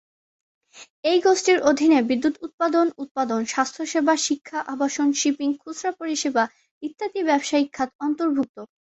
এই গোষ্ঠীর অধীনে বিদ্যুৎ উৎপাদন, উৎপাদন, স্বাস্থ্যসেবা, শিক্ষা, আবাসন, শিপিং, খুচরা পরিষেবা ইত্যাদি ব্যবসায়িক খাত অন্তর্ভুক্ত।